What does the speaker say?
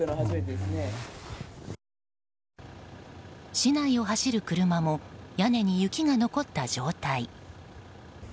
市内を走る車も屋根に雪が残った状態。